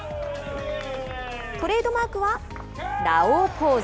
トレードマークは「ラオウ」ポーズ。